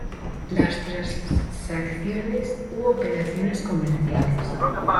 Las transacciones u operaciones comerciales.